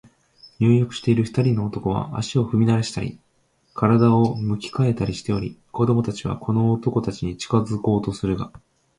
入浴している二人の男は、足を踏みならしたり、身体を向き変えたりしており、子供たちはこの男たちに近づこうとするが、